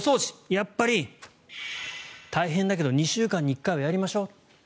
やっぱり大変だけど２週間に１回はやりましょう。